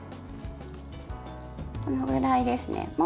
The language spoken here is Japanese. このぐらいですね。